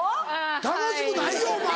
楽しくないよお前。